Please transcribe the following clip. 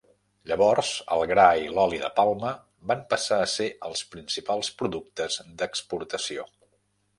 Llavors, el gra i l'oli de palma van passar a ser els principals productes d'exportació.